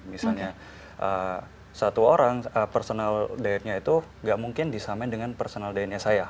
misalnya satu orang personal dietnya itu nggak mungkin disamain dengan personal dine nya saya